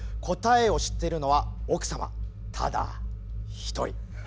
答えを知ってるのは奥様ただ一人。